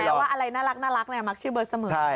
เขาบอกแล้วว่าอะไรน่ารักมักชื่อเบิร์ตเสมอ